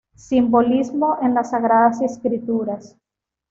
Simbolismo en las Sagradas Escrituras.